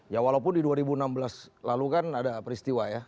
ya walaupun di dua ribu enam belas lalu kan ada peristiwa ya